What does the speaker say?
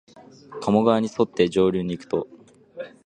加茂川にそって上流にいくと、